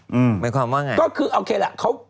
หมายความว่าไงก็คือโอเคแหละเขา